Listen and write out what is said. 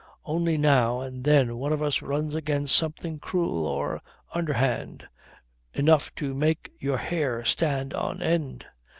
Only now and then one of us runs against something cruel or underhand, enough to make your hair stand on end.